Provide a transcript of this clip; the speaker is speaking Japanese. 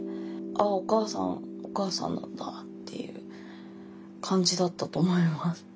お母さんなんだっていう感じだったと思います。